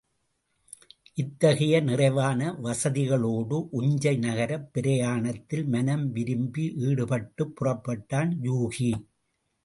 இத்தகைய நிறைவான வசதிகளோடு உஞ்சை நகரப் பிரயாணத்தில் மனம் விரும்பி ஈடுபட்டுப் புறப்பட்டான் யூகி.